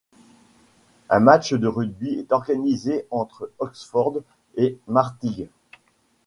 Un match de rugby est organisé entre Oxford et Martigues.